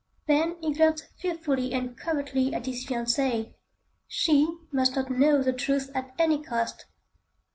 Then he glanced fearfully and covertly at his fiancée. She must not know the truth at any cost.